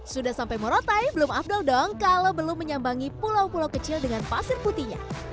sudah sampai morotai belum afdol dong kalau belum menyambangi pulau pulau kecil dengan pasir putihnya